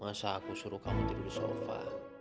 masa aku suruh kamu tidur di sofa